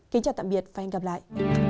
kính chào tạm biệt và hẹn gặp lại